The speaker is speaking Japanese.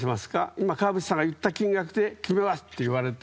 今、川淵さんがいった金額で決めますと言われて。